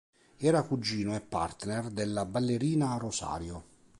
Era cugino e partner della ballerina Rosario.